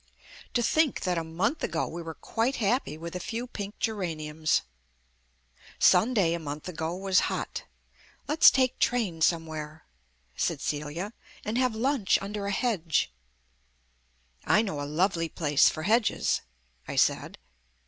To think that a month ago we were quite happy with a few pink geraniums! Sunday, a month ago, was hot. "Let's take train somewhere," said Celia, "and have lunch under a hedge." "I know a lovely place for hedges," I said.